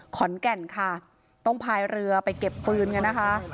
ขอนแก่นค่ะต้องพายเรือไปเก็บฟืนกันนะคะ